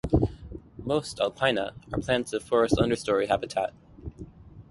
Most "Alpinia" are plants of forest understory habitat.